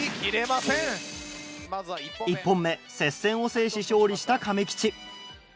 １本目接戦を制し勝利したかめきち。